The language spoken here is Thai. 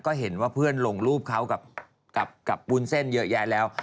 ก็เห็นว่าเพื่อนลงรูปเขากับวุ้นเส้นเยอะแยะแล้ว